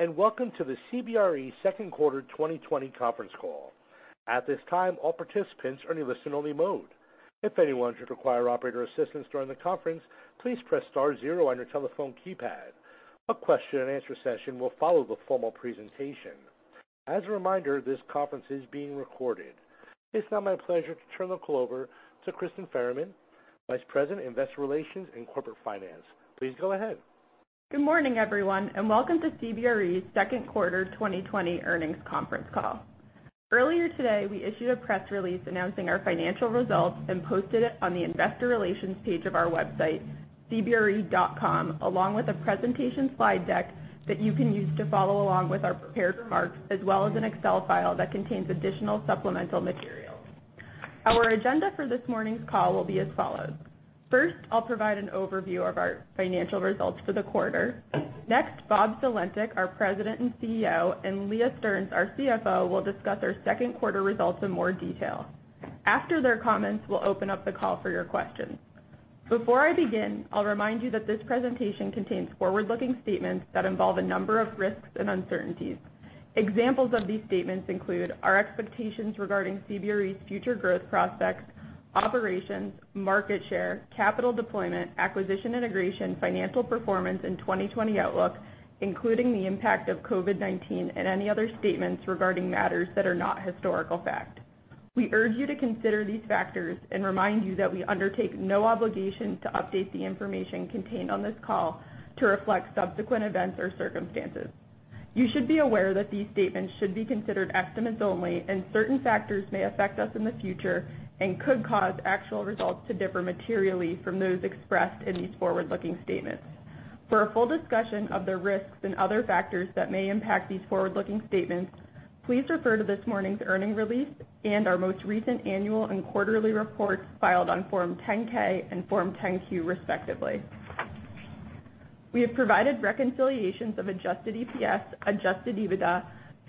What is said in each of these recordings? Hello, and welcome to the CBRE second quarter 2020 conference call. At this time, all participants are in listen-only mode. If anyone should require operator assistance during the conference, please press star zero on your telephone keypad. A question and answer session will follow the formal presentation. As a reminder, this conference is being recorded. It's now my pleasure to turn the call over to Kristyn Farahmand, Vice President, Investor Relations and Corporate Finance. Please go ahead. Good morning, everyone, and welcome to CBRE's second quarter 2020 earnings conference call. Earlier today, we issued a press release announcing our financial results and posted it on the investor relations page of our website, cbre.com, along with a presentation slide deck that you can use to follow along with our prepared remarks, as well as an Excel file that contains additional supplemental materials. Our agenda for this morning's call will be as follows. First, I'll provide an overview of our financial results for the quarter. Next, Bob Sulentic, our President and CEO, and Leah Stearns, our CFO, will discuss our second quarter results in more detail. After their comments, we'll open up the call for your questions. Before I begin, I'll remind you that this presentation contains forward-looking statements that involve a number of risks and uncertainties. Examples of these statements include our expectations regarding CBRE's future growth prospects, operations, market share, capital deployment, acquisition integration, financial performance and 2020 outlook, including the impact of COVID-19 and any other statements regarding matters that are not historical fact. We urge you to consider these factors and remind you that we undertake no obligation to update the information contained on this call to reflect subsequent events or circumstances. You should be aware that these statements should be considered estimates only, and certain factors may affect us in the future and could cause actual results to differ materially from those expressed in these forward-looking statements. For a full discussion of the risks and other factors that may impact these forward-looking statements, please refer to this morning's earning release and our most recent annual and quarterly reports filed on Form 10-K and Form 10-Q, respectively. We have provided reconciliations of adjusted EPS, adjusted EBITDA,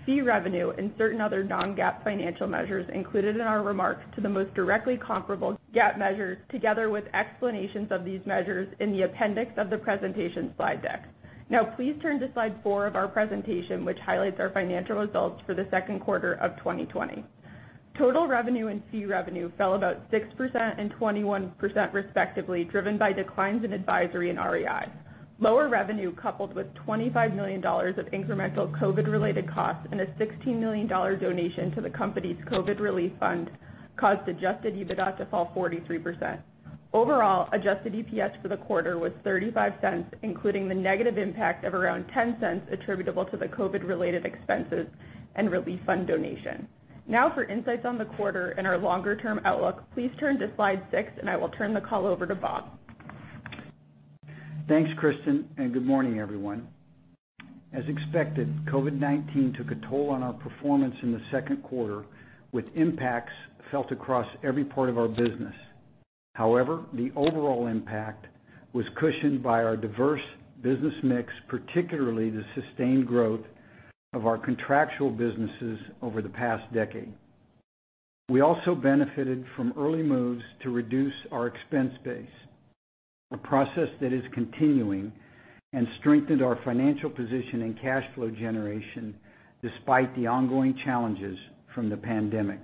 fee revenue and certain other non-GAAP financial measures included in our remarks to the most directly comparable GAAP measures, together with explanations of these measures in the appendix of the presentation slide deck. Now please turn to slide four of our presentation, which highlights our financial results for the second quarter of 2020. Total revenue and fee revenue fell about 6% and 21% respectively, driven by declines in advisory and REI. Lower revenue coupled with $25 million of incremental COVID-related costs and a $16 million donation to the company's COVID relief fund caused adjusted EBITDA to fall 43%. Overall, adjusted EPS for the quarter was $0.35, including the negative impact of around $0.10 attributable to the COVID-related expenses and relief fund donation. Now for insights on the quarter and our longer-term outlook, please turn to slide six. I will turn the call over to Bob. Thanks, Kristyn, good morning, everyone. As expected, COVID-19 took a toll on our performance in the second quarter, with impacts felt across every part of our business. The overall impact was cushioned by our diverse business mix, particularly the sustained growth of our contractual businesses over the past decade. We also benefited from early moves to reduce our expense base, a process that is continuing and strengthened our financial position and cash flow generation despite the ongoing challenges from the pandemic.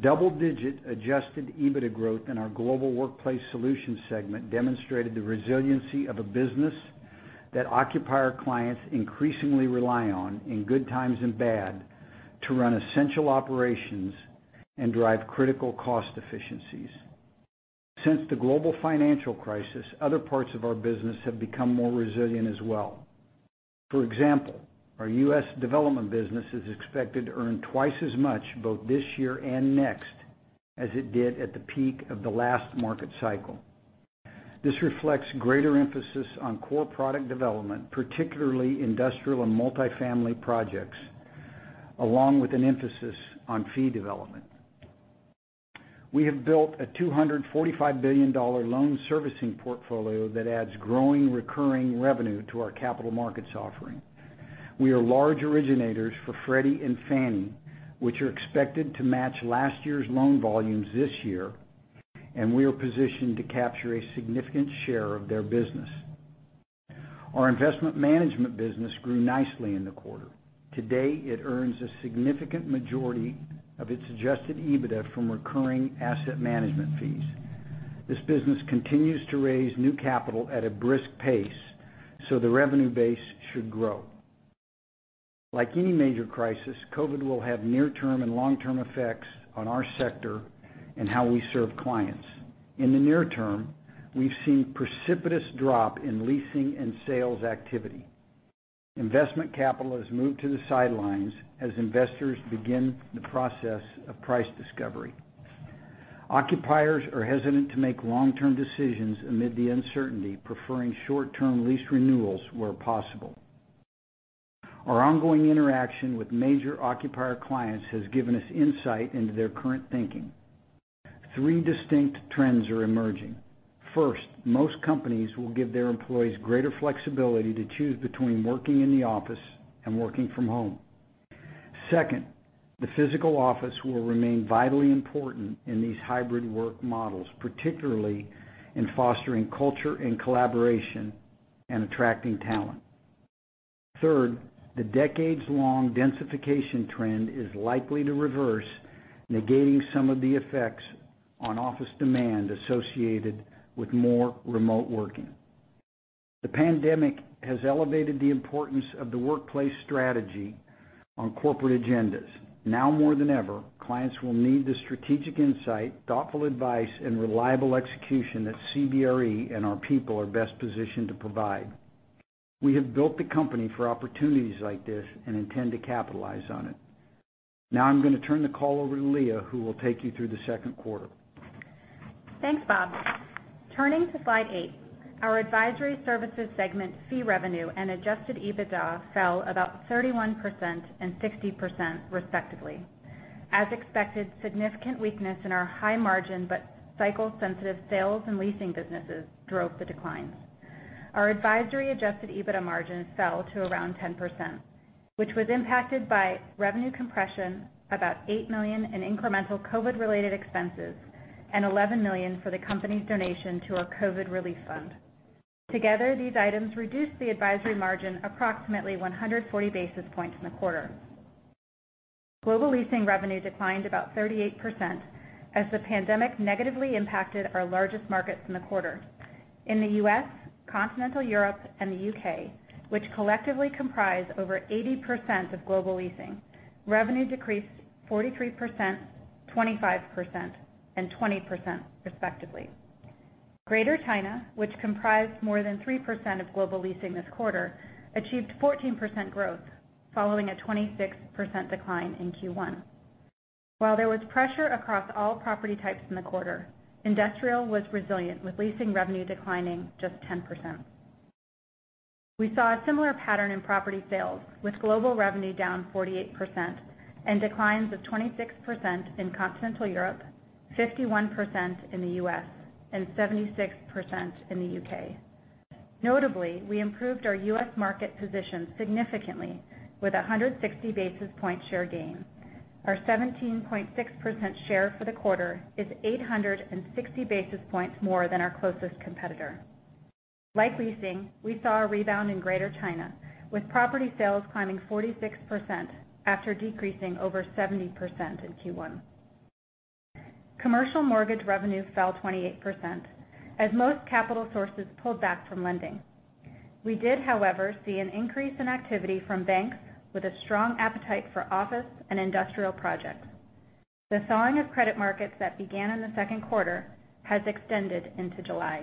Double-digit adjusted EBITDA growth in our Global Workplace Solutions segment demonstrated the resiliency of a business that occupier clients increasingly rely on in good times and bad to run essential operations and drive critical cost efficiencies. Since the global financial crisis, other parts of our business have become more resilient as well. For example, our U.S. development business is expected to earn twice as much both this year and next as it did at the peak of the last market cycle. This reflects greater emphasis on core product development, particularly industrial and multi-family projects, along with an emphasis on fee development. We have built a $245 billion loan servicing portfolio that adds growing recurring revenue to our capital markets offering. We are large originators for Freddie and Fannie, which are expected to match last year's loan volumes this year, and we are positioned to capture a significant share of their business. Our investment management business grew nicely in the quarter. Today, it earns a significant majority of its adjusted EBITDA from recurring asset management fees. This business continues to raise new capital at a brisk pace, so the revenue base should grow. Like any major crisis, COVID will have near-term and long-term effects on our sector and how we serve clients. In the near term, we've seen precipitous drop in leasing and sales activity. Investment capital has moved to the sidelines as investors begin the process of price discovery. Occupiers are hesitant to make long-term decisions amid the uncertainty, preferring short-term lease renewals where possible. Our ongoing interaction with major occupier clients has given us insight into their current thinking. Three distinct trends are emerging. First, most companies will give their employees greater flexibility to choose between working in the office and working from home. Second, the physical office will remain vitally important in these hybrid work models, particularly in fostering culture and collaboration and attracting talent. Third, the decades-long densification trend is likely to reverse, negating some of the effects on office demand associated with more remote working. The pandemic has elevated the importance of the workplace strategy on corporate agendas. Now more than ever, clients will need the strategic insight, thoughtful advice, and reliable execution that CBRE and our people are best positioned to provide. We have built the company for opportunities like this and intend to capitalize on it. Now I'm going to turn the call over to Leah, who will take you through the second quarter. Thanks, Bob. Turning to slide eight, our advisory services segment fee revenue and adjusted EBITDA fell about 31% and 60% respectively. As expected, significant weakness in our high margin, but cycle sensitive sales and leasing businesses drove the declines. Our advisory adjusted EBITDA margin fell to around 10%, which was impacted by revenue compression, about $8 million in incremental COVID-19 related expenses, and $11 million for the company's donation to our COVID relief fund. Together, these items reduced the advisory margin approximately 140 basis points in the quarter. Global leasing revenue declined about 38% as the pandemic negatively impacted our largest markets in the quarter. In the U.S., continental Europe and the U.K., which collectively comprise over 80% of global leasing, revenue decreased 43%, 25%, and 20% respectively. Greater China, which comprised more than 3% of global leasing this quarter, achieved 14% growth following a 26% decline in Q1. While there was pressure across all property types in the quarter, industrial was resilient with leasing revenue declining just 10%. We saw a similar pattern in property sales, with global revenue down 48% and declines of 26% in continental Europe, 51% in the U.S., and 76% in the U.K. Notably, we improved our U.S. market position significantly with 160 basis point share gain. Our 17.6% share for the quarter is 860 basis points more than our closest competitor. Like leasing, we saw a rebound in Greater China, with property sales climbing 46% after decreasing over 70% in Q1. Commercial mortgage revenue fell 28% as most capital sources pulled back from lending. We did, however, see an increase in activity from banks with a strong appetite for office and industrial projects. The thawing of credit markets that began in the second quarter has extended into July.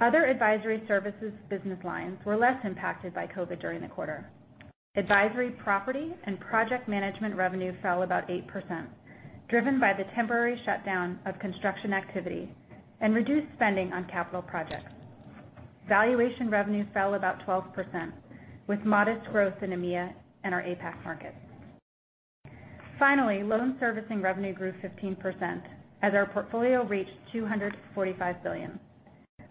Other advisory services business lines were less impacted by COVID during the quarter. Advisory property and project management revenue fell about 8%, driven by the temporary shutdown of construction activity and reduced spending on capital projects. Valuation revenue fell about 12%, with modest growth in EMEA and our APAC markets. Finally, loan servicing revenue grew 15% as our portfolio reached $245 billion.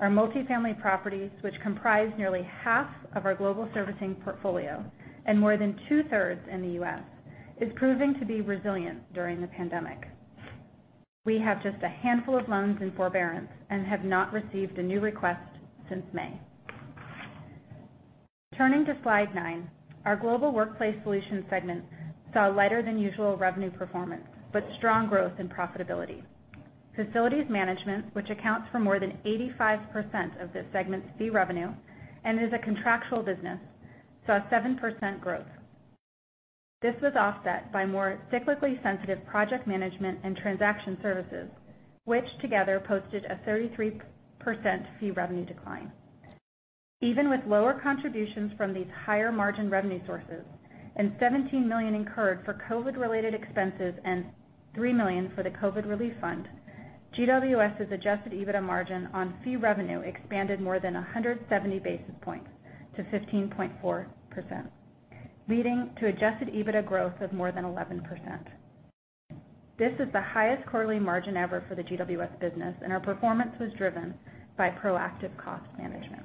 Our multifamily properties, which comprise nearly half of our global servicing portfolio and more than 2/3 in the U.S., is proving to be resilient during the pandemic. We have just a handful of loans in forbearance and have not received a new request since May. Turning to slide nine, our Global Workplace Solutions segment saw lighter than usual revenue performance, but strong growth and profitability. Facilities management, which accounts for more than 85% of this segment's fee revenue and is a contractual business, saw 7% growth. This was offset by more cyclically sensitive Project Management and transaction services, which together posted a 33% fee revenue decline. Even with lower contributions from these higher margin revenue sources and $17 million incurred for COVID related expenses and $3 million for the COVID relief fund, GWS's adjusted EBITDA margin on fee revenue expanded more than 170 basis points to 15.4%, leading to adjusted EBITDA growth of more than 11%. This is the highest quarterly margin ever for the GWS business, and our performance was driven by proactive cost management.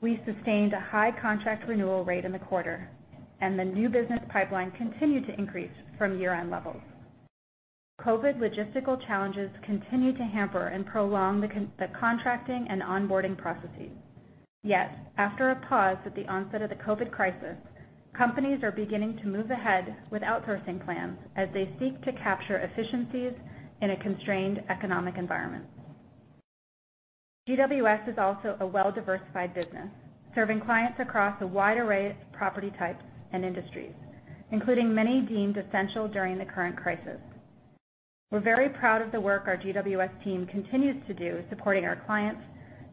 We sustained a high contract renewal rate in the quarter, and the new business pipeline continued to increase from year-end levels. COVID logistical challenges continue to hamper and prolong the contracting and onboarding processes. After a pause at the onset of the COVID-19 crisis, companies are beginning to move ahead with outsourcing plans as they seek to capture efficiencies in a constrained economic environment. GWS is also a well-diversified business, serving clients across a wide array of property types and industries, including many deemed essential during the current crisis. We're very proud of the work our GWS team continues to do supporting our clients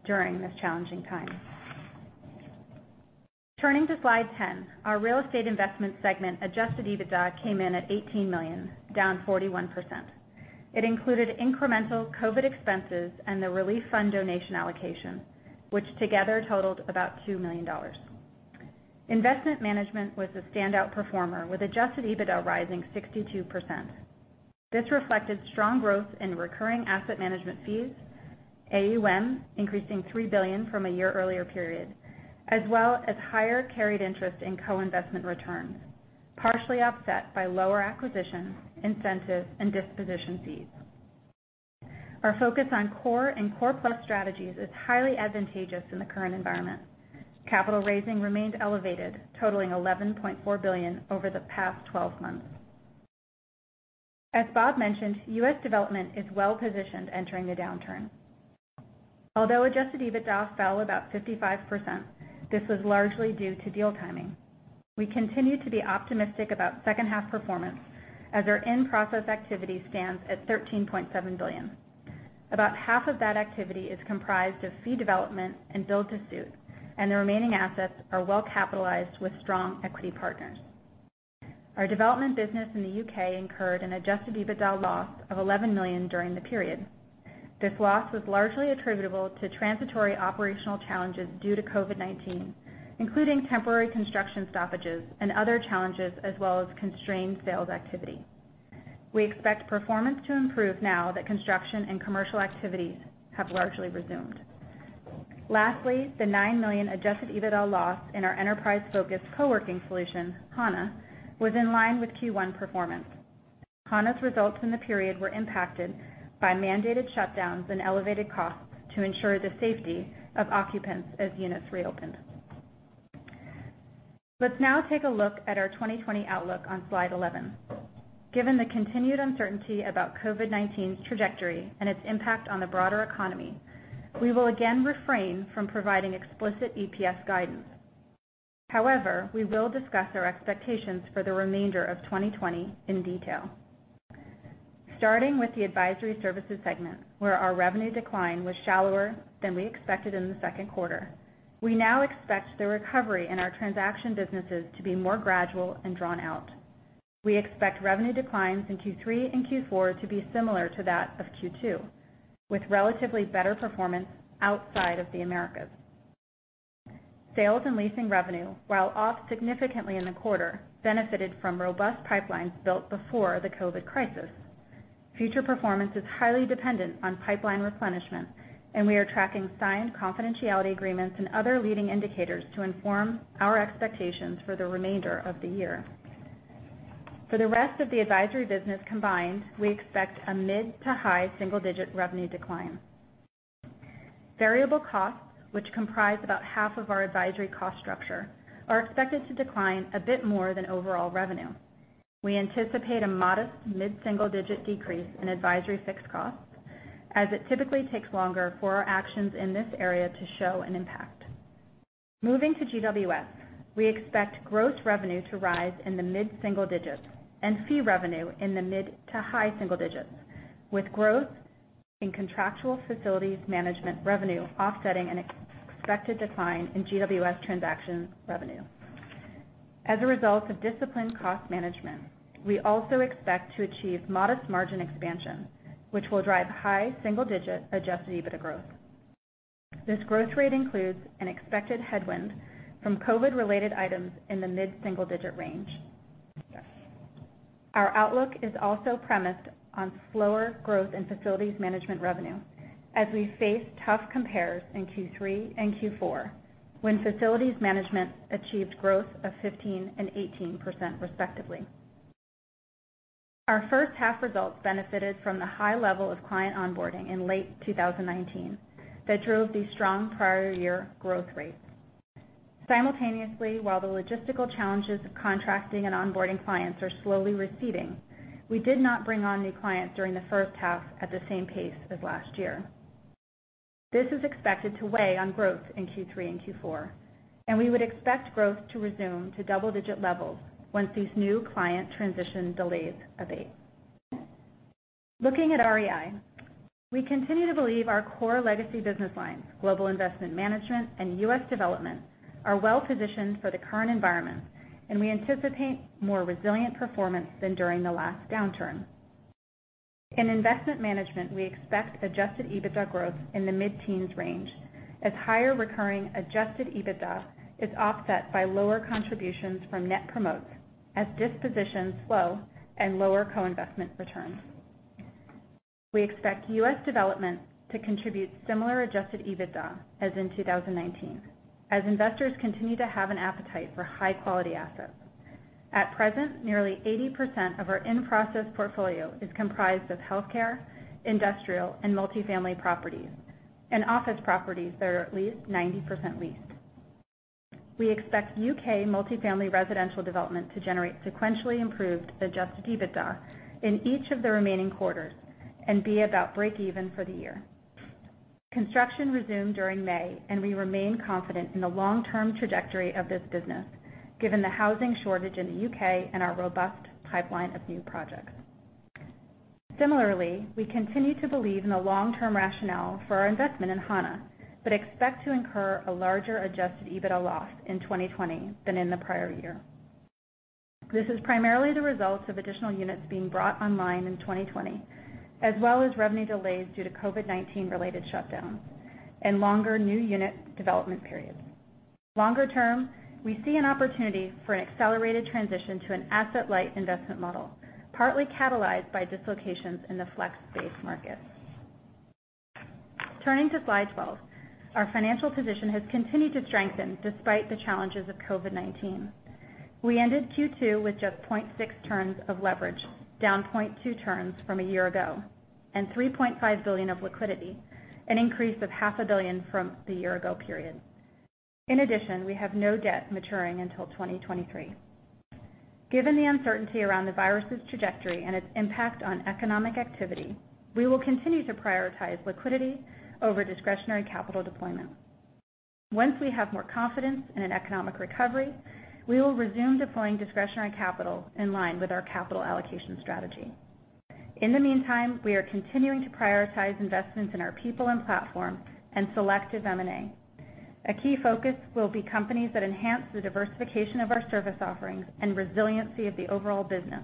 during this challenging time. Turning to slide 10, our Real Estate Investments segment adjusted EBITDA came in at $18 million, down 41%. It included incremental COVID-19 expenses and the relief fund donation allocation, which together totaled about $2 million. Investment management was a standout performer with adjusted EBITDA rising 62%. This reflected strong growth in recurring asset management fees, AUM increasing $3 billion from a year earlier period, as well as higher carried interest in co-investment returns, partially offset by lower acquisitions, incentives, and disposition fees. Our focus on core and core plus strategies is highly advantageous in the current environment. Capital raising remained elevated, totaling $11.4 billion over the past 12 months. As Bob mentioned, U.S. development is well-positioned entering the downturn. Although adjusted EBITDA fell about 55%, this was largely due to deal timing. We continue to be optimistic about second half performance as our in-process activity stands at $13.7 billion. About half of that activity is comprised of fee development and build to suit, and the remaining assets are well capitalized with strong equity partners. Our development business in the U.K. incurred an adjusted EBITDA loss of $11 million during the period. This loss was largely attributable to transitory operational challenges due to COVID-19, including temporary construction stoppages and other challenges, as well as constrained sales activity. We expect performance to improve now that construction and commercial activities have largely resumed. Lastly, the $9 million adjusted EBITDA loss in our enterprise-focused co-working solution, Hana, was in line with Q1 performance. Hana's results in the period were impacted by mandated shutdowns and elevated costs to ensure the safety of occupants as units reopened. Let's now take a look at our 2020 outlook on slide 11. Given the continued uncertainty about COVID-19's trajectory and its impact on the broader economy, we will again refrain from providing explicit EPS guidance. We will discuss our expectations for the remainder of 2020 in detail. Starting with the Advisory Services segment, where our revenue decline was shallower than we expected in the second quarter, we now expect the recovery in our transaction businesses to be more gradual and drawn out. We expect revenue declines in Q3 and Q4 to be similar to that of Q2, with relatively better performance outside of the Americas. Sales and leasing revenue, while off significantly in the quarter, benefited from robust pipelines built before the COVID-19 crisis. Future performance is highly dependent on pipeline replenishment, and we are tracking signed confidentiality agreements and other leading indicators to inform our expectations for the remainder of the year. For the rest of the advisory business combined, we expect a mid to high single-digit revenue decline. Variable costs, which comprise about half of our advisory cost structure, are expected to decline a bit more than overall revenue. We anticipate a modest mid-single digit decrease in advisory fixed costs as it typically takes longer for our actions in this area to show an impact. Moving to GWS, we expect gross revenue to rise in the mid-single digits and fee revenue in the mid to high single digits, with growth in contractual facilities management revenue offsetting an expected decline in GWS transaction revenue. As a result of disciplined cost management, we also expect to achieve modest margin expansion, which will drive high single-digit adjusted EBITDA growth. This growth rate includes an expected headwind from COVID-related items in the mid-single digit range. Our outlook is also premised on slower growth in facilities management revenue as we face tough compares in Q3 and Q4, when facilities management achieved growth of 15% and 18%, respectively. Our first half results benefited from the high level of client onboarding in late 2019 that drove the strong prior year growth rates. Simultaneously, while the logistical challenges of contracting and onboarding clients are slowly receding, we did not bring on new clients during the first half at the same pace as last year. This is expected to weigh on growth in Q3 and Q4. We would expect growth to resume to double-digit levels once these new client transition delays abate. Looking at REI, we continue to believe our core legacy business lines, global investment management and U.S. development, are well positioned for the current environment. We anticipate more resilient performance than during the last downturn. In investment management, we expect adjusted EBITDA growth in the mid-teens range as higher recurring adjusted EBITDA is offset by lower contributions from net promotes as dispositions slow and lower co-investment returns. We expect U.S. development to contribute similar adjusted EBITDA as in 2019 as investors continue to have an appetite for high quality assets. At present, nearly 80% of our in-process portfolio is comprised of healthcare, industrial, and multifamily properties, and office properties that are at least 90% leased. We expect U.K. multifamily residential development to generate sequentially improved adjusted EBITDA in each of the remaining quarters and be about break even for the year. Construction resumed during May, and we remain confident in the long term trajectory of this business given the housing shortage in the U.K. and our robust pipeline of new projects. Similarly, we continue to believe in the long term rationale for our investment in Hana, but expect to incur a larger adjusted EBITDA loss in 2020 than in the prior year. This is primarily the result of additional units being brought online in 2020, as well as revenue delays due to COVID-19 related shutdowns and longer new unit development periods. Longer term, we see an opportunity for an accelerated transition to an asset-light investment model, partly catalyzed by dislocations in the flex-based market. Turning to slide 12, our financial position has continued to strengthen despite the challenges of COVID-19. We ended Q2 with just 0.6 turns of leverage, down 0.2 turns from a year ago, and $3.5 billion of liquidity, an increase of half a billion from the year-ago period. In addition, we have no debt maturing until 2023. Given the uncertainty around the virus's trajectory and its impact on economic activity, we will continue to prioritize liquidity over discretionary capital deployment. Once we have more confidence in an economic recovery, we will resume deploying discretionary capital in line with our capital allocation strategy. In the meantime, we are continuing to prioritize investments in our people and platform and selective M&A. A key focus will be companies that enhance the diversification of our service offerings and resiliency of the overall business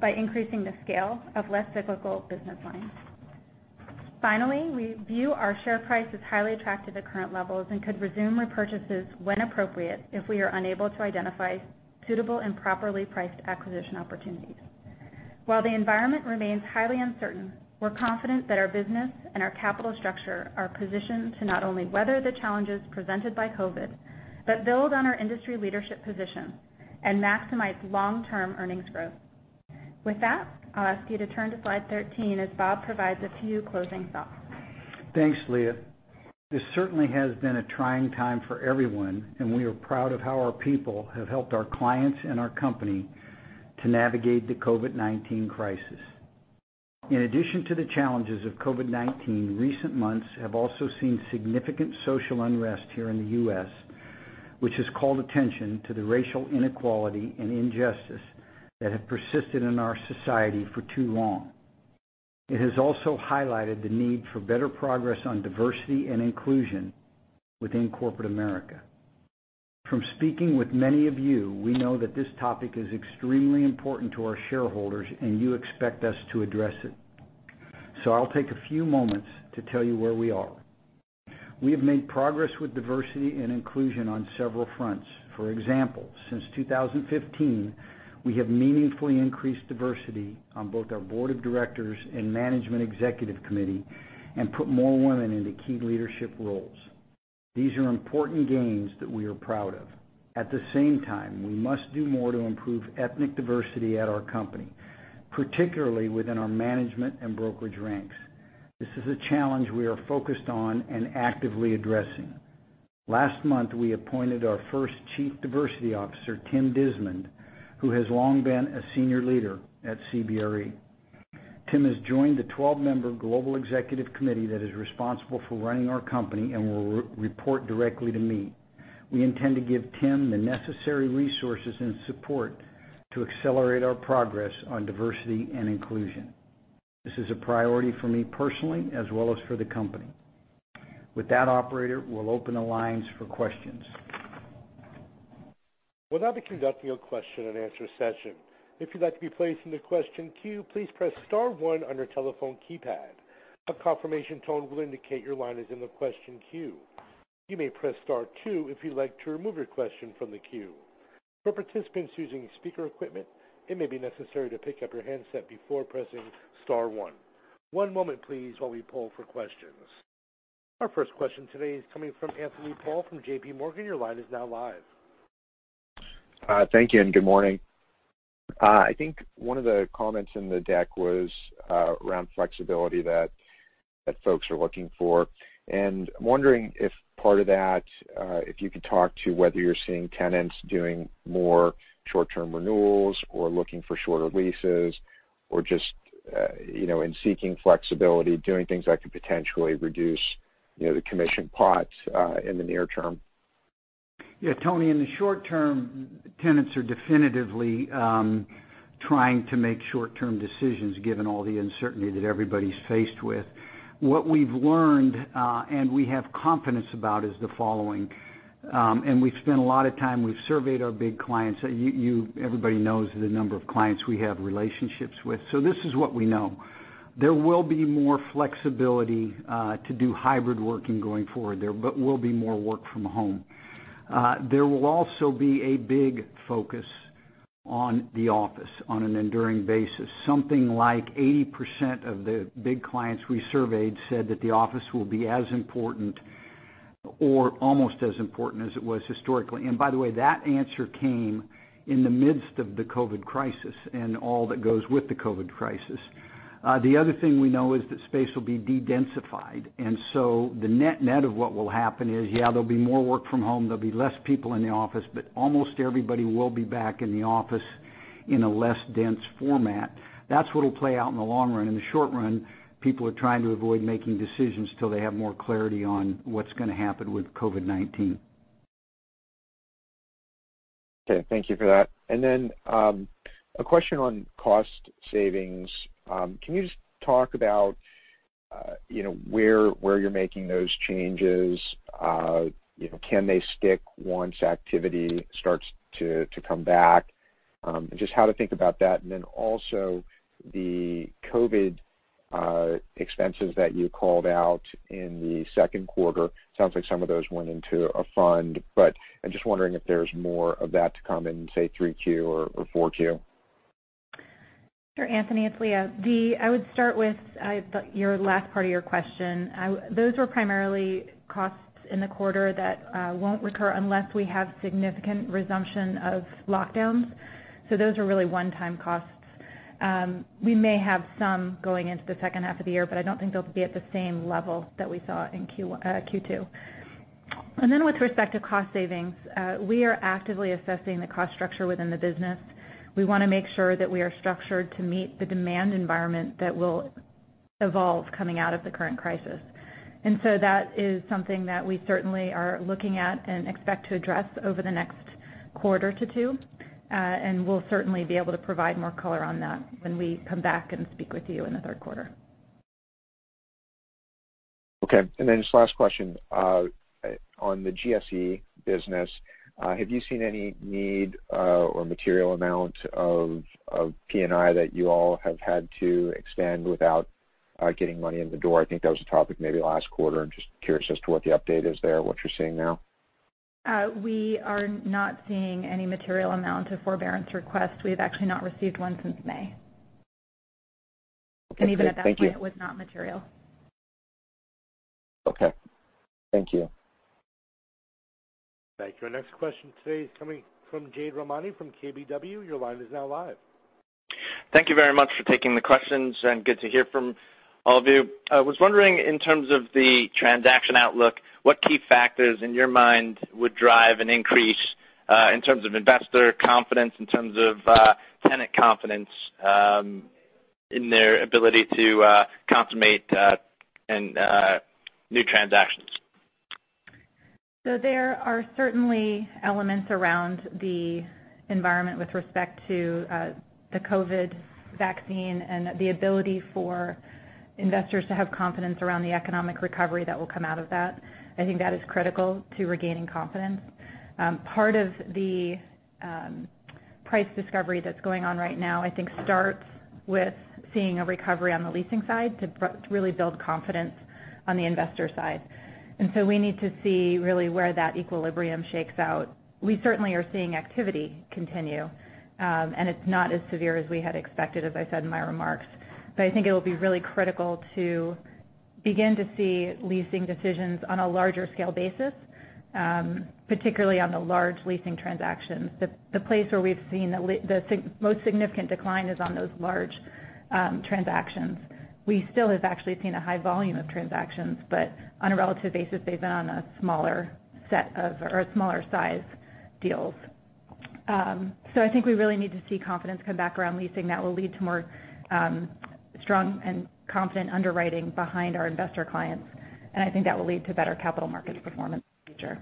by increasing the scale of less cyclical business lines. Finally, we view our share price as highly attractive at current levels and could resume repurchases when appropriate if we are unable to identify suitable and properly priced acquisition opportunities. While the environment remains highly uncertain, we're confident that our business and our capital structure are positioned to not only weather the challenges presented by COVID, but build on our industry leadership position and maximize long-term earnings growth. With that, I'll ask you to turn to slide 13 as Bob provides a few closing thoughts. Thanks, Leah. This certainly has been a trying time for everyone, and we are proud of how our people have helped our clients and our company to navigate the COVID-19 crisis. In addition to the challenges of COVID-19, recent months have also seen significant social unrest here in the U.S., which has called attention to the racial inequality and injustice that have persisted in our society for too long. It has also highlighted the need for better progress on diversity and inclusion within corporate America. From speaking with many of you, we know that this topic is extremely important to our shareholders, and you expect us to address it. I'll take a few moments to tell you where we are. We have made progress with diversity and inclusion on several fronts. For example, since 2015, we have meaningfully increased diversity on both our board of directors and management executive committee and put more women into key leadership roles. These are important gains that we are proud of. At the same time, we must do more to improve ethnic diversity at our company, particularly within our management and brokerage ranks. This is a challenge we are focused on and actively addressing. Last month, we appointed our first Chief Diversity Officer, Tim Dismond, who has long been a senior leader at CBRE. Tim has joined the 12-member global executive committee that is responsible for running our company and will report directly to me. We intend to give Tim the necessary resources and support to accelerate our progress on diversity and inclusion. This is a priority for me personally, as well as for the company. With that, operator, we'll open the lines for questions. We'll now be conducting a question and answer session. If you'd like to be placed in the question queue, please press star one on your telephone keypad. A confirmation tone will indicate your line is in the question queue. You may press star two if you'd like to remove your question from the queue. For participants using speaker equipment, it may be necessary to pick up your handset before pressing star one. One moment, please, while we poll for questions. Our first question today is coming from Anthony Paolone from JPMorgan. Your line is now live. Thank you, and good morning. I think one of the comments in the deck was around flexibility that folks are looking for. I'm wondering if part of that, if you could talk to whether you're seeing tenants doing more short-term renewals or looking for shorter leases, or just in seeking flexibility, doing things that could potentially reduce the commission pots in the near term? Yeah, Tony, in the short term, tenants are definitively trying to make short-term decisions given all the uncertainty that everybody's faced with. What we've learned, and we have confidence about, is the following. We've spent a lot of time, we've surveyed our big clients. Everybody knows the number of clients we have relationships with. This is what we know. There will be more flexibility to do hybrid working going forward. There will be more work from home. There will also be a big focus on the office on an enduring basis. Something like 80% of the big clients we surveyed said that the office will be as important or almost as important as it was historically. By the way, that answer came in the midst of the COVID-19 crisis and all that goes with the COVID-19 crisis. The other thing we know is that space will be de-densified, the net of what will happen is, yeah, there'll be more work from home, there'll be less people in the office, but almost everybody will be back in the office in a less dense format. That's what'll play out in the long run. In the short run, people are trying to avoid making decisions till they have more clarity on what's going to happen with COVID-19. Okay, thank you for that. A question on cost savings. Can you just talk about where you're making those changes? Can they stick once activity starts to come back? Just how to think about that, and then also the COVID expenses that you called out in the second quarter. Sounds like some of those went into a fund, but I'm just wondering if there's more of that to come in, say, 3Q or 4Q. Sure, Anthony, it's Leah. I would start with your last part of your question. Those were primarily costs in the quarter that won't recur unless we have significant resumption of lockdowns. Those are really one-time costs. We may have some going into the second half of the year, I don't think they'll be at the same level that we saw in Q2. Then with respect to cost savings, we are actively assessing the cost structure within the business. We want to make sure that we are structured to meet the demand environment that will evolve coming out of the current crisis. That is something that we certainly are looking at and expect to address over the next quarter to two, we'll certainly be able to provide more color on that when we come back and speak with you in the third quarter. Okay. Just last question. On the GSE business, have you seen any need or material amount of P&I that you all have had to extend without getting money in the door? I think that was a topic maybe last quarter, and just curious as to what the update is there, what you're seeing now. We are not seeing any material amount of forbearance requests. We have actually not received one since May. Okay, good. Thank you. Even at that point, it was not material. Okay. Thank you. Thank you. Our next question today is coming from Jade Rahmani from KBW. Your line is now live. Thank you very much for taking the questions. Good to hear from all of you. I was wondering in terms of the transaction outlook, what key factors in your mind would drive an increase in terms of investor confidence, in terms of tenant confidence in their ability to consummate new transactions? There are certainly elements around the environment with respect to the COVID-19 vaccine and the ability for investors to have confidence around the economic recovery that will come out of that. I think that is critical to regaining confidence. Part of the price discovery that's going on right now, I think, starts with seeing a recovery on the leasing side to really build confidence on the investor side. We need to see really where that equilibrium shakes out. We certainly are seeing activity continue, and it's not as severe as we had expected, as I said in my remarks. I think it'll be really critical to begin to see leasing decisions on a larger-scale basis, particularly on the large leasing transactions. The place where we've seen the most significant decline is on those large transactions. We still have actually seen a high volume of transactions. On a relative basis, they've been on smaller-sized deals. I think we really need to see confidence come back around leasing. That will lead to more strong and confident underwriting behind our investor clients, and I think that will lead to better capital markets performance in the future.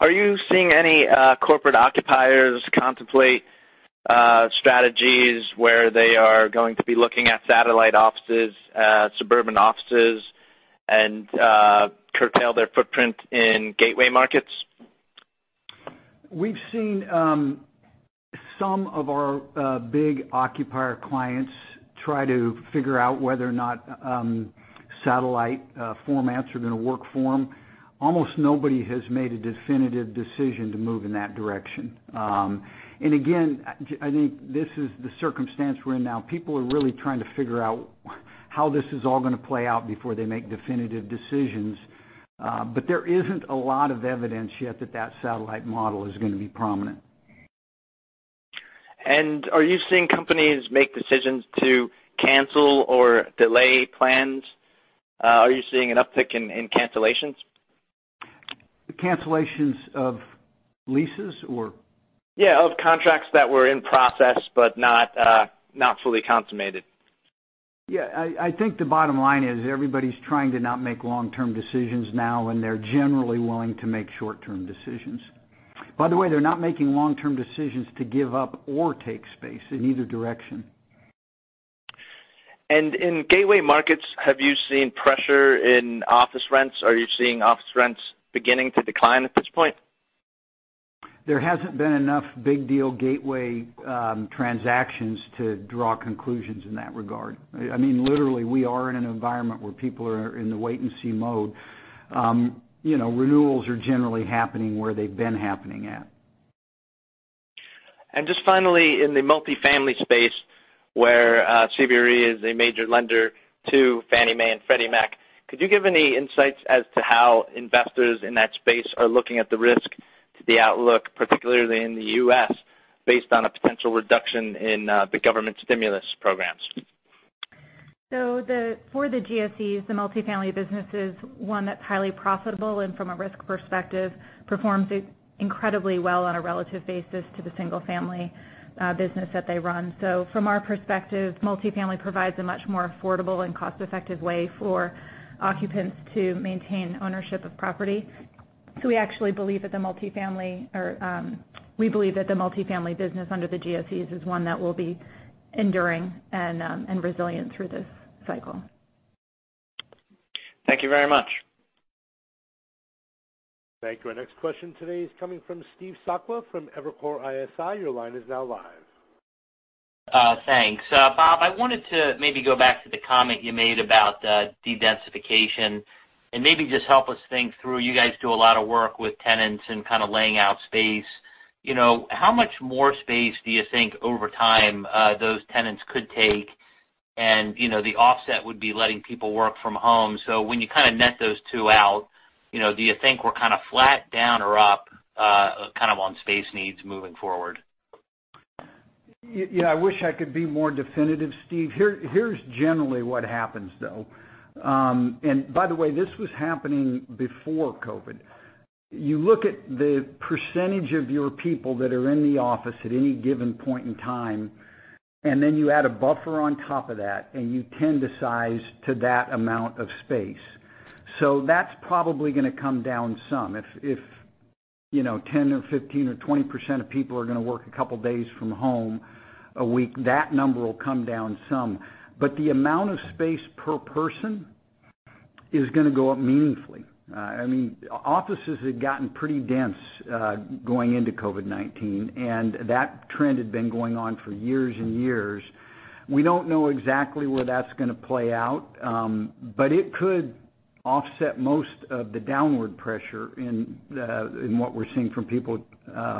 Are you seeing any corporate occupiers contemplate strategies where they are going to be looking at satellite offices, suburban offices, and curtail their footprint in gateway markets? We've seen some of our big occupier clients try to figure out whether or not satellite formats are going to work for them. Almost nobody has made a definitive decision to move in that direction. Again, I think this is the circumstance we're in now. People are really trying to figure out how this is all going to play out before they make definitive decisions. There isn't a lot of evidence yet that that satellite model is going to be prominent. Are you seeing companies make decisions to cancel or delay plans? Are you seeing an uptick in cancellations? Cancellations of leases or? Yeah, of contracts that were in process but not fully consummated. Yeah, I think the bottom line is everybody's trying to not make long-term decisions now, and they're generally willing to make short-term decisions. By the way, they're not making long-term decisions to give up or take space in either direction. In gateway markets, have you seen pressure in office rents? Are you seeing office rents beginning to decline at this point? There hasn't been enough big deal gateway transactions to draw conclusions in that regard. Literally, we are in an environment where people are in the wait-and-see mode. Renewals are generally happening where they've been happening at. Just finally, in the multifamily space, where CBRE is a major lender to Fannie Mae and Freddie Mac, could you give any insights as to how investors in that space are looking at the risk to the outlook, particularly in the U.S., based on a potential reduction in the government stimulus programs? For the GSEs, the multifamily business is one that's highly profitable, and from a risk perspective, performs incredibly well on a relative basis to the single-family business that they run. From our perspective, multifamily provides a much more affordable and cost-effective way for occupants to maintain ownership of property. We actually believe that the multifamily business under the GSEs is one that will be enduring and resilient through this cycle. Thank you very much. Thank you. Our next question today is coming from Steve Sakwa from Evercore ISI. Your line is now live. Thanks. Bob, I wanted to maybe go back to the comment you made about de-densification and maybe just help us think through. You guys do a lot of work with tenants and kind of laying out space. How much more space do you think over time, those tenants could take? The offset would be letting people work from home. When you kind of net those two out, do you think we're kind of flat down or up, kind of on space needs moving forward? I wish I could be more definitive, Steve. Here's generally what happens though. By the way, this was happening before COVID-19. You look at the percentage of your people that are in the office at any given point in time, and then you add a buffer on top of that, and you tend to size to that amount of space. That's probably going to come down some. If 10% or 15% or 20% of people are going to work a couple of days from home a week, that number will come down some. The amount of space per person is going to go up meaningfully. Offices had gotten pretty dense, going into COVID-19, and that trend had been going on for years and years. We don't know exactly where that's going to play out, but it could offset most of the downward pressure in what we're seeing from people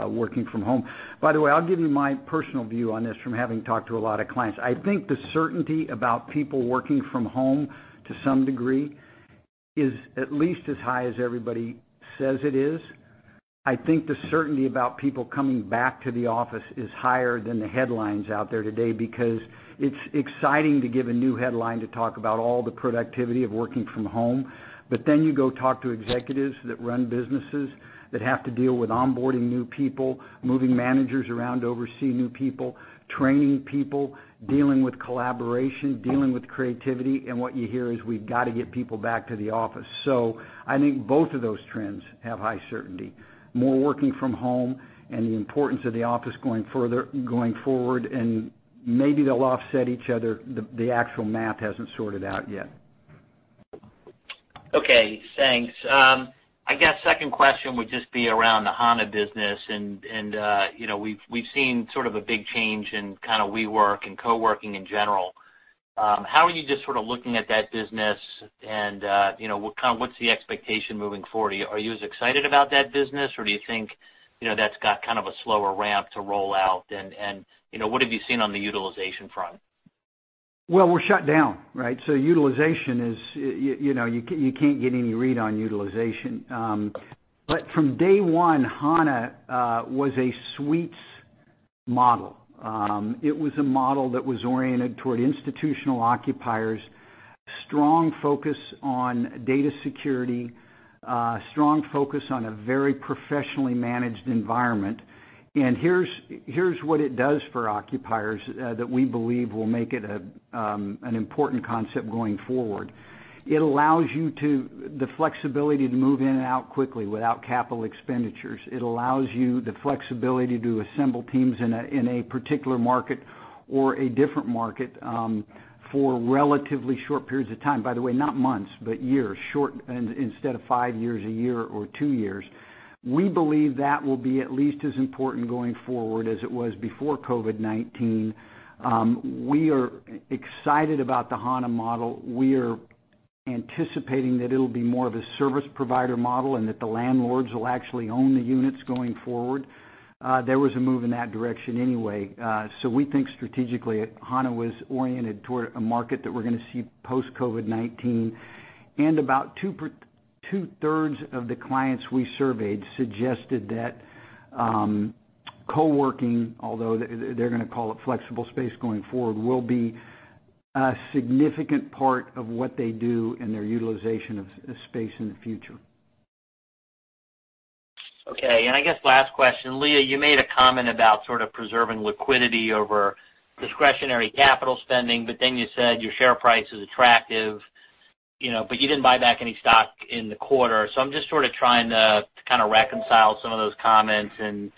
working from home. By the way, I'll give you my personal view on this from having talked to a lot of clients. I think the certainty about people working from home to some degree is at least as high as everybody says it is. I think the certainty about people coming back to the office is higher than the headlines out there today because it's exciting to give a new headline to talk about all the productivity of working from home. You go talk to executives that run businesses that have to deal with onboarding new people, moving managers around to oversee new people, training people, dealing with collaboration, dealing with creativity, and what you hear is, "We've got to get people back to the office." I think both of those trends have high certainty. More working from home and the importance of the office going forward, and maybe they'll offset each other. The actual math hasn't sorted out yet. Okay, thanks. I guess second question would just be around the Hana business, and we've seen sort of a big change in kind of WeWork and co-working in general. How are you just sort of looking at that business and what's the expectation moving forward? Are you as excited about that business, or do you think that's got kind of a slower ramp to roll out, and what have you seen on the utilization front? We're shut down, right? You can't get any read on utilization. From day one, Hana was a suites model. It was a model that was oriented toward institutional occupiers. Strong focus on data security, strong focus on a very professionally managed environment. Here's what it does for occupiers that we believe will make it an important concept going forward. It allows you the flexibility to move in and out quickly without capital expenditures. It allows you the flexibility to assemble teams in a particular market or a different market, for relatively short periods of time. By the way, not months, but years. Short instead of five years, a year or two years. We believe that will be at least as important going forward as it was before COVID-19. We are excited about the Hana model. We are anticipating that it'll be more of a service provider model, and that the landlords will actually own the units going forward. There was a move in that direction anyway. We think strategically, Hana was oriented toward a market that we're going to see post-COVID-19. About two-thirds of the clients we surveyed suggested that co-working, although they're going to call it flexible space going forward, will be a significant part of what they do in their utilization of space in the future. Okay. I guess last question. Leah, you made a comment about sort of preserving liquidity over discretionary capital spending, but then you said your share price is attractive. You didn't buy back any stock in the quarter. I'm just sort of trying to kind of reconcile some of those comments and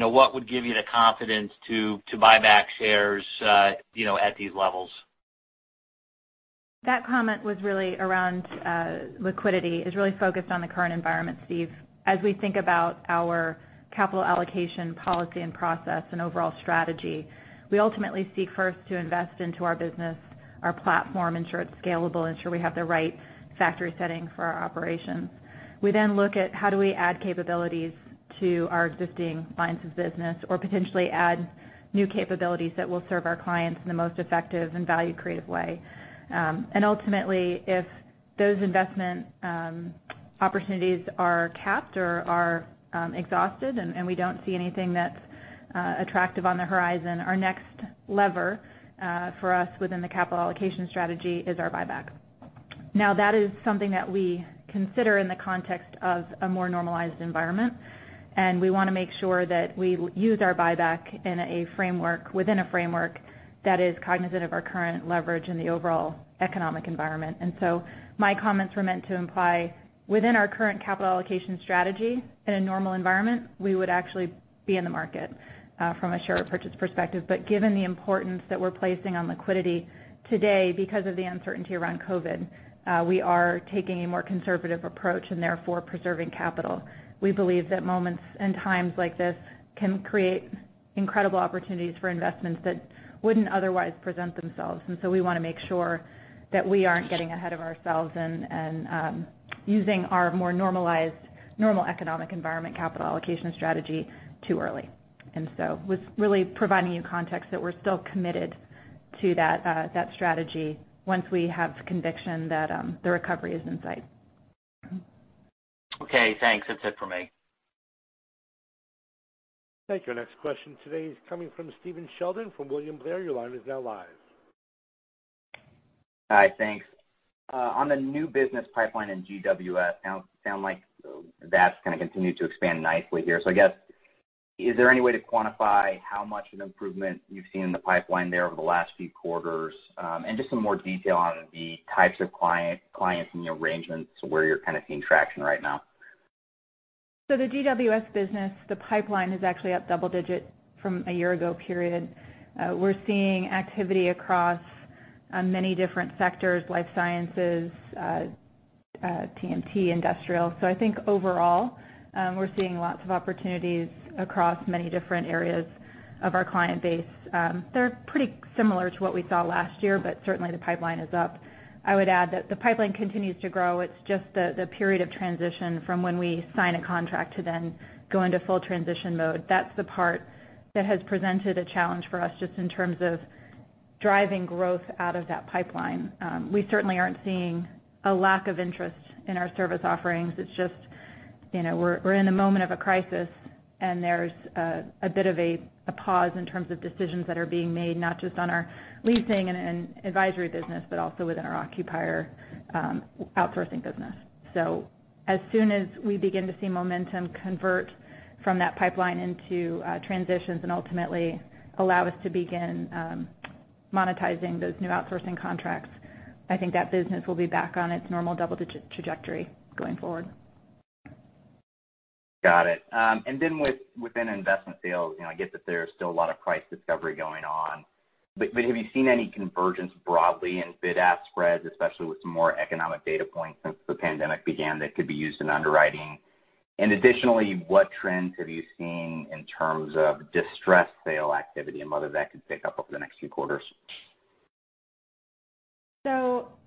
what would give you the confidence to buy back shares at these levels? That comment was really around liquidity. It's really focused on the current environment, Steve. As we think about our capital allocation policy and process and overall strategy, we ultimately seek first to invest into our business, our platform, ensure it's scalable, ensure we have the right factory setting for our operations. We then look at how do we add capabilities to our existing lines of business or potentially add new capabilities that will serve our clients in the most effective and value-creative way. Ultimately, if those investment opportunities are capped or are exhausted and we don't see anything that's attractive on the horizon, our next lever, for us within the capital allocation strategy, is our buyback. That is something that we consider in the context of a more normalized environment. We want to make sure that we use our buyback within a framework that is cognizant of our current leverage in the overall economic environment. My comments were meant to imply within our current capital allocation strategy, in a normal environment, we would actually be in the market from a share purchase perspective. Given the importance that we're placing on liquidity today because of the uncertainty around COVID-19, we are taking a more conservative approach and therefore preserving capital. We believe that moments and times like this can create incredible opportunities for investments that wouldn't otherwise present themselves. We want to make sure that we aren't getting ahead of ourselves and using our more normalized, normal economic environment capital allocation strategy too early. Was really providing you context that we're still committed to that strategy once we have conviction that the recovery is in sight. Okay, thanks. That's it for me. Thank you. Our next question today is coming from Stephen Sheldon from William Blair. Your line is now live. Hi, thanks. On the new business pipeline in GWS, it sounds like that's going to continue to expand nicely here. I guess, is there any way to quantify how much of an improvement you've seen in the pipeline there over the last few quarters? Just some more detail on the types of clients and the arrangements where you're kind of seeing traction right now. The GWS business, the pipeline is actually up double-digit from a year ago period. We're seeing activity across many different sectors, life sciences, TMT, industrial. I think overall, we're seeing lots of opportunities across many different areas of our client base. They're pretty similar to what we saw last year, but certainly, the pipeline is up. I would add that the pipeline continues to grow. It's just the period of transition from when we sign a contract to then go into full transition mode. That's the part that has presented a challenge for us just in terms of driving growth out of that pipeline. We certainly aren't seeing a lack of interest in our service offerings. It's just we're in a moment of a crisis, and there's a bit of a pause in terms of decisions that are being made, not just on our leasing and advisory business, but also within our occupier outsourcing business. As soon as we begin to see momentum convert from that pipeline into transitions and ultimately allow us to begin monetizing those new outsourcing contracts, I think that business will be back on its normal double-digit trajectory going forward. Got it. Within investment sales, I get that there is still a lot of price discovery going on, but have you seen any convergence broadly in bid-ask spreads, especially with some more economic data points since the pandemic began that could be used in underwriting? What trends have you seen in terms of distressed sale activity and whether that could pick up over the next few quarters?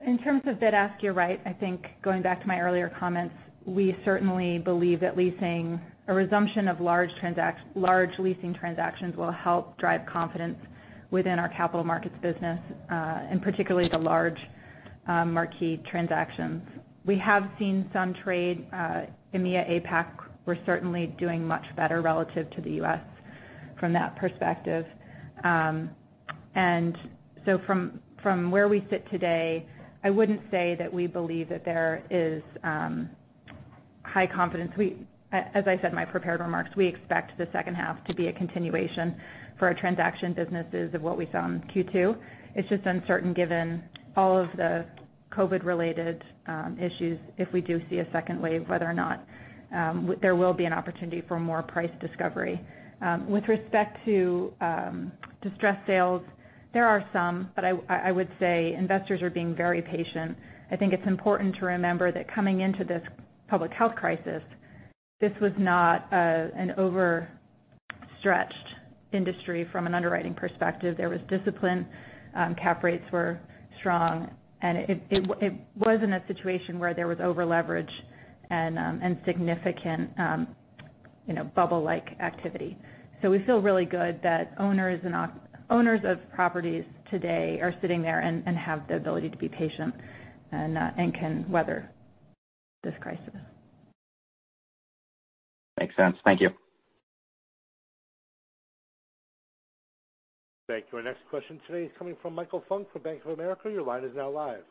In terms of bid-ask, you're right. I think going back to my earlier comments, we certainly believe that leasing or resumption of large leasing transactions will help drive confidence within our capital markets business, and particularly the large marquee transactions. We have seen some trade, EMEA, APAC, we're certainly doing much better relative to the U.S. from that perspective. From where we sit today, I wouldn't say that we believe that there is high confidence. As I said in my prepared remarks, we expect the second half to be a continuation for our transaction businesses of what we saw in Q2. It's just uncertain given all of the COVID-related issues, if we do see a second wave, whether or not there will be an opportunity for more price discovery. With respect to distressed sales, there are some, but I would say investors are being very patient. I think it's important to remember that coming into this public health crisis, this was not an overstretched industry from an underwriting perspective. There was discipline, cap rates were strong, and it wasn't a situation where there was over-leverage and significant bubble-like activity. We feel really good that owners of properties today are sitting there and have the ability to be patient and can weather this crisis. Makes sense. Thank you. Thank you. Our next question today is coming from Michael Funk from Bank of America. Your line is now live.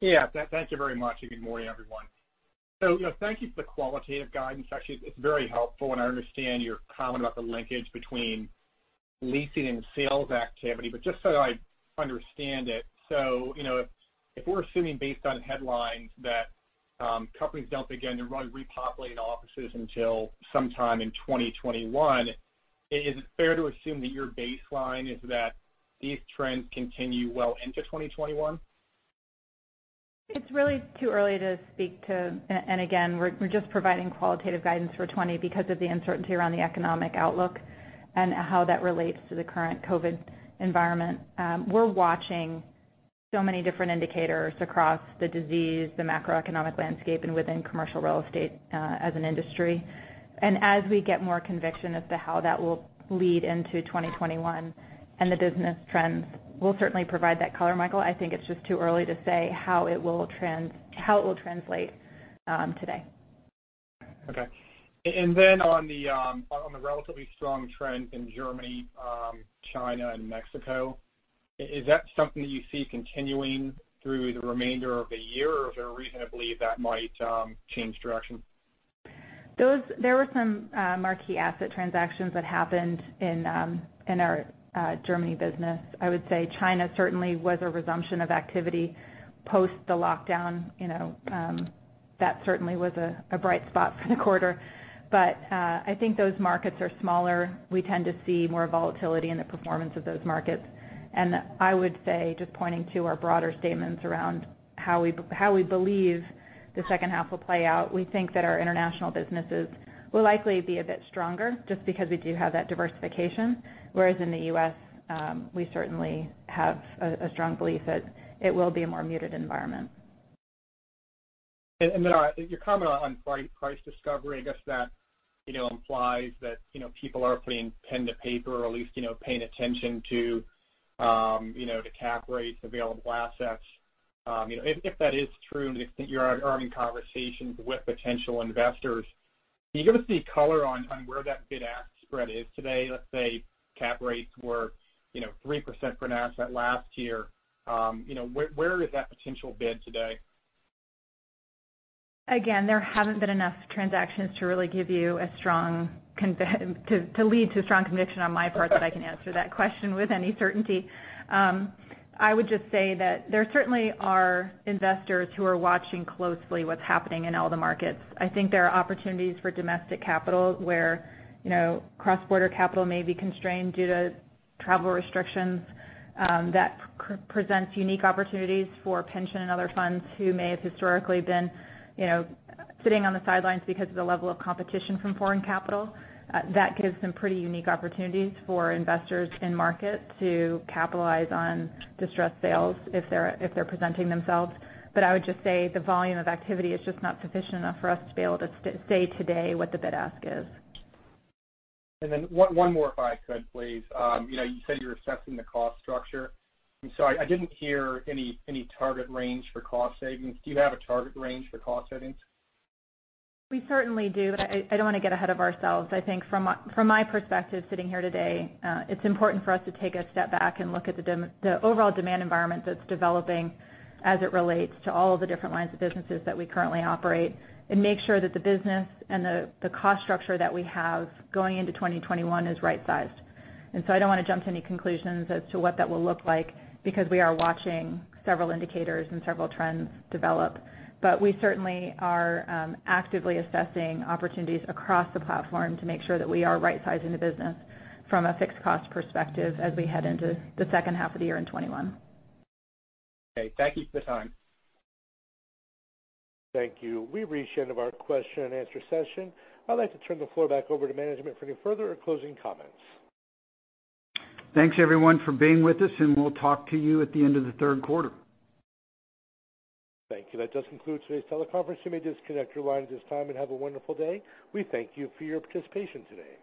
Yeah, thank you very much. Good morning, everyone. Thank you for the qualitative guidance. Actually, it's very helpful, and I understand your comment about the linkage between leasing and sales activity. Just so I understand it, if we're assuming based on headlines that companies don't begin to repopulate offices until sometime in 2021, is it fair to assume that your baseline is that these trends continue well into 2021? It's really too early to speak. Again, we're just providing qualitative guidance for 2020 because of the uncertainty around the economic outlook and how that relates to the current COVID-19 environment. We're watching so many different indicators across the disease, the macroeconomic landscape, and within commercial real estate as an industry. As we get more conviction as to how that will lead into 2021 and the business trends, we'll certainly provide that color, Michael. I think it's just too early to say how it will translate today. Okay. On the relatively strong trend in Germany, China, and Mexico, is that something that you see continuing through the remainder of the year, or is there a reason to believe that might change direction? There were some marquee asset transactions that happened in our Germany business. I would say China certainly was a resumption of activity post the lockdown. That certainly was a bright spot for the quarter. I think those markets are smaller. We tend to see more volatility in the performance of those markets. I would say, just pointing to our broader statements around how we believe the second half will play out. We think that our international businesses will likely be a bit stronger, just because we do have that diversification. Whereas in the U.S., we certainly have a strong belief that it will be a more muted environment. Your comment on price discovery, I guess that implies that people are putting pen to paper or at least paying attention to the cap rates, available assets. If that is true, to the extent you're having conversations with potential investors, can you give us any color on where that bid-ask spread is today? Let's say cap rates were 3% for an asset last year. Where is that potential bid today? Again, there haven't been enough transactions to lead to strong conviction on my part that I can answer that question with any certainty. I would just say that there certainly are investors who are watching closely what's happening in all the markets. I think there are opportunities for domestic capital where cross-border capital may be constrained due to travel restrictions. That presents unique opportunities for pension and other funds who may have historically been sitting on the sidelines because of the level of competition from foreign capital. That gives some pretty unique opportunities for investors in market to capitalize on distressed sales if they're presenting themselves. I would just say the volume of activity is just not sufficient enough for us to be able to say today what the bid-ask is. One more if I could, please. You said you're assessing the cost structure. I'm sorry, I didn't hear any target range for cost savings. Do you have a target range for cost savings? We certainly do, but I don't want to get ahead of ourselves. I think from my perspective sitting here today, it's important for us to take a step back and look at the overall demand environment that's developing as it relates to all of the different lines of businesses that we currently operate and make sure that the business and the cost structure that we have going into 2021 is right-sized. I don't want to jump to any conclusions as to what that will look like because we are watching several indicators and several trends develop. We certainly are actively assessing opportunities across the platform to make sure that we are rightsizing the business from a fixed cost perspective as we head into the second half of the year in 2021. Okay. Thank you for the time. Thank you. We've reached the end of our question and answer session. I'd like to turn the floor back over to management for any further or closing comments. Thanks everyone for being with us. We'll talk to you at the end of the third quarter. Thank you. That does conclude today's teleconference. You may disconnect your line at this time and have a wonderful day. We thank you for your participation today.